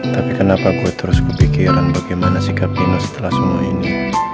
tapi kenapa gue terus kepikiran bagaimana sikap dino setelah semua ini